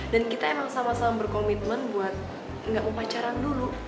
dan kita emang sama sama berkomitmen buat nggak mau pacaran dulu